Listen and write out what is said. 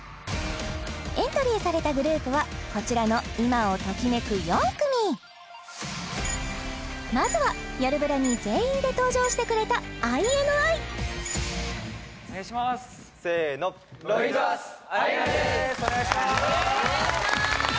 エントリーされたグループはこちらの今をときめく４組まずは「よるブラ」に全員で登場してくれたＩＮＩ失礼しますせのお願いします